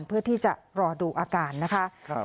เพื่อที่จะรอดูอาการนะคะ